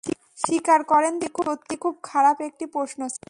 স্বীকার করেন যে সত্যি খুব খারাপ একটি প্রশ্ন ছিল।